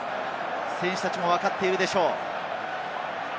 選手たちもわかっているでしょう。